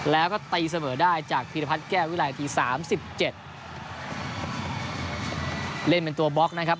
แล้วก็ตีเสมอได้จากพีรพัฒน์แก้ววิรัยนาทีสามสิบเจ็ดเล่นเป็นตัวบล็อกนะครับ